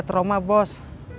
gak ada trauma bos